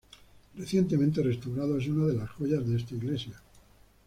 Recientemente restaurado, es una de las joyas de esta Iglesia.